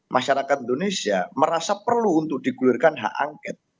masyarakat indonesia merasa perlu untuk digulirkan hak angket